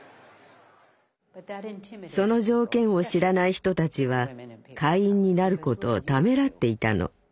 その条件を知らない人たちは会員になることをためらっていたの。